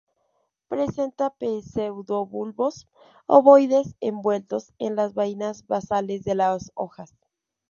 Presenta pseudobulbos ovoides envueltos en las vainas basales de las hojas.